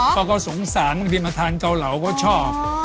เขาก็สงสารบางทีมาทานเกาเหลาก็ชอบ